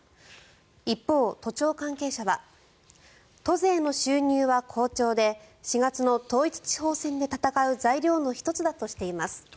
一方、都庁関係者は都税の収入は好調で４月の統一地方選で戦う材料の１つだとしています。